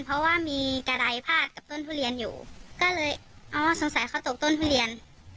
เพราะว่ามีกระดายพาดกับต้นทุเรียนอยู่ก็เลยอ๋อสงสัยเขาตกต้นทุเรียน